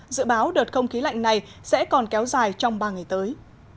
dự báo đợt không khí lạnh này sẽ còn kéo dài trong ba ngày tới